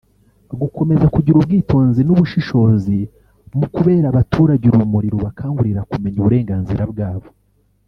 Gukomeza kugira ubwitonzi n’ubushishozi mu kubera abaturage urumuri rubakangurira kumenya uburenganzira bwabo